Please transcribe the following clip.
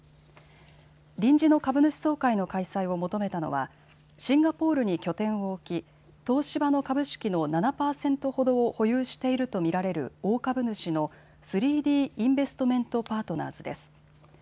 臨時の株主総会の開催を求めたのはシンガポールに拠点を置き東芝の株式の７％ほどを保有していると見られる大株主の３Ｄインベストメント・パートナーズです。